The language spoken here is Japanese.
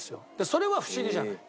それは不思議じゃない。